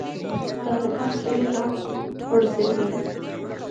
چې طالبان پرې راوپرځوي